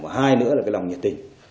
và hai nữa là lòng nhiệt tình